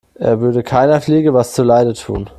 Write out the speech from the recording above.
Er würde keiner Fliege was zu Leide tun.